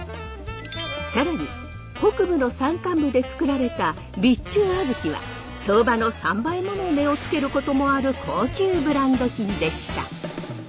更に北部の山間部で作られた備中小豆は相場の３倍もの値を付けることもある高級ブランド品でした。